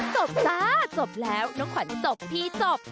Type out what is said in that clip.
จบจ้าจบแล้วน้องขวัญจบพี่จบ